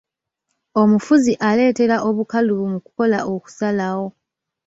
Omufuzi aleetera obukalubu mu kukola okusalawo.